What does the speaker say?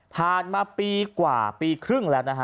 ผ่านมาปีกว่าปีครึ่งแล้วนะฮะ